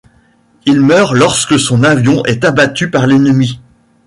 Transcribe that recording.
Il meurt lorsque son avion est abattu par l'ennemi.